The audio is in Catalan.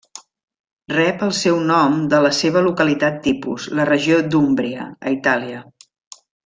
Rep el seu nom de la seva localitat tipus, la regió d'Úmbria, a Itàlia.